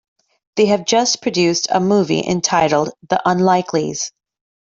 They have just produced a movie entitled The Unlikeleys.